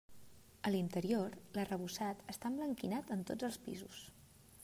A l'interior, l'arrebossat està emblanquinat en tots els pisos.